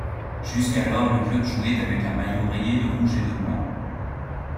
Jusqu'alors le club jouait avec un maillot rayé de rouge et de blanc.